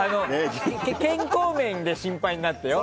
健康面で心配になってよ。